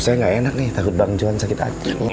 saya gak enak nih takut bang iswan sakit aja